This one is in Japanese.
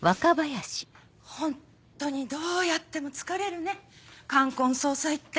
ホンットにどうやっても疲れるね冠婚葬祭って。